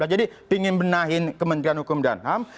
jadi ingin benahin kementerian hukum dan ham